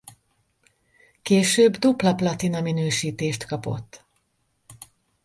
Később dupla platina minősítést kapott.